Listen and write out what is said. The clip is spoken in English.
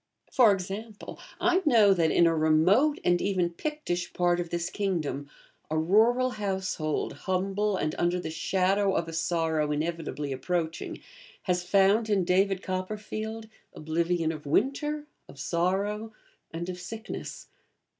For example, I know that, in a remote and even Pictish part of this kingdom, a rural household, humble and under the shadow of a sorrow inevitably approaching, has found in 'David Copperfield' oblivion of winter, of sorrow, and of sickness.